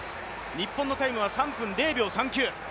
日本のタイムは３分０秒３９。